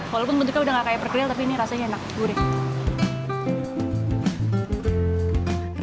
walaupun bentuknya sudah tidak seperti perkedil tapi ini rasanya enak gurih